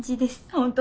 本当？